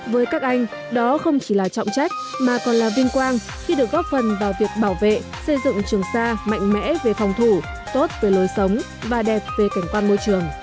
với các anh đó không chỉ là trọng trách mà còn là vinh quang khi được góp phần vào việc bảo vệ xây dựng trường sa mạnh mẽ về phòng thủ tốt về lối sống và đẹp về cảnh quan môi trường